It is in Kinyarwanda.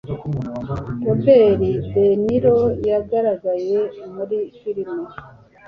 robert deniro yagaragaye muri firime